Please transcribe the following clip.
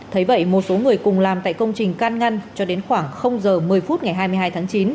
thấy vậy một số người cùng làm tại công trình can ngăn cho đến khoảng giờ một mươi phút ngày hai mươi hai tháng chín